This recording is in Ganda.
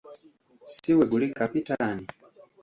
Si bwe guli Kapitaani?